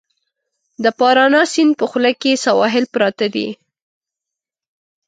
د پارانا سیند په خوله کې سواحل پراته دي.